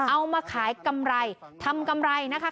เอามาขายกำไรทำกำไรนะคะ